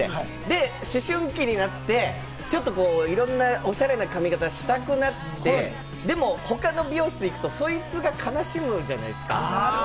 思春期になって、いろんなおしゃれな髪形したくなって、でも他の美容室に行くと、そいつが悲しむじゃないですか。